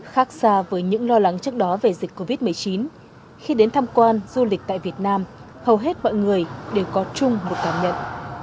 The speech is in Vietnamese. khác xa với những lo lắng trước đó về dịch covid một mươi chín khi đến tham quan du lịch tại việt nam hầu hết mọi người đều có chung một cảm nhận